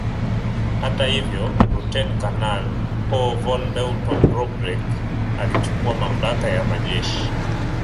Hata hivyo Luteni Kanali Paul von Lettow Vorbeck alichukua mamlaka ya majeshi